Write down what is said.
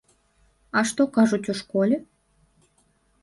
А што кажуць у школе?